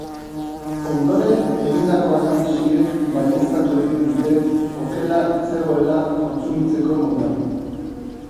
Ondoren egindako analisiek baieztatu egin dute okela ez zegoela kontsumitzeko moduan.